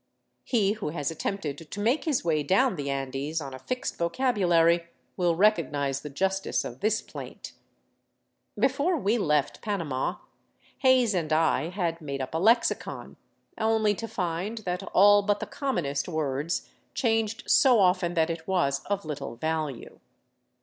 He who has at tempted to make his way down the Andes on a fixed vocabulary will recognize the justice of this plaint. Before we left Panama, Hays and I had made up a lexicon, only to find that all but the commonest words changed so often that it was of little value.